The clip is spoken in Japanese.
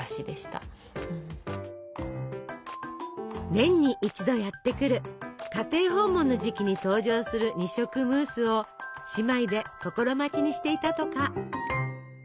年に一度やってくる家庭訪問の時期に登場する二色ムースを姉妹で心待ちにしていたとか。